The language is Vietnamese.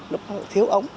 lúc nó thiếu ống